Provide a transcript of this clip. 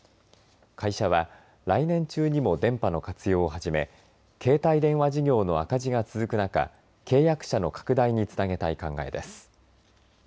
会社は来年中にも電波の活用を始め携帯電話事業の赤字が続く中契約者の拡大につなげたい考えです。